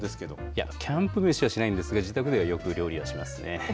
いや、キャンプ飯はしないんですが、自宅では、よく料理はしますね。